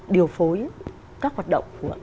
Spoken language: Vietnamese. điều phối các hoạt động của